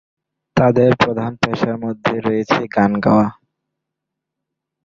তাদের প্রধান পেশার মধ্য রয়েছে গান গাওয়া।